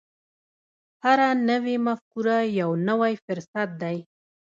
هره نوې مفکوره یو نوی فرصت دی.